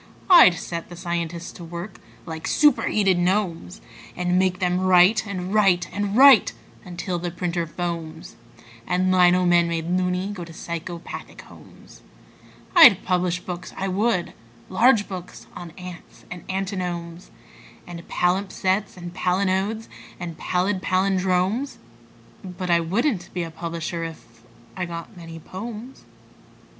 I'd set the scientists to work like superheated gnomes, And make them write and write and write until the printer foams And lino men, made "loony", go to psychopathic homes. I'd publish books, I would large books on ants and antinomes And palimpsests and palinodes and pallid pallindromes: But I wouldn't be a publisher if .... I got many "pomes."